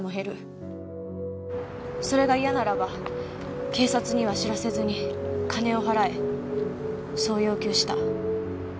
それが嫌ならば警察には知らせずに金を払えそう要求した。